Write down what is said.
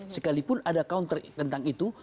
sekalipun ada counter tentang itu